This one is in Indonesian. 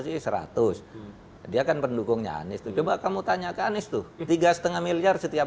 sih seratus dia kan pendukungnya anies tuh coba kamu tanya ke anies tuh tiga setengah miliar setiap